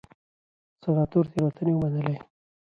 سناتور تېروتنې ومنلې.